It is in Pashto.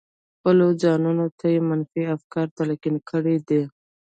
خپلو ځانونو ته يې منفي افکار تلقين کړي دي.